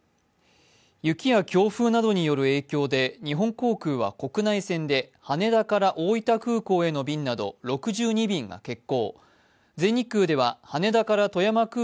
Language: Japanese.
雪や強風などによる影響で日本航空は国内線で羽田空から大分空港への瓶など６２便が欠航。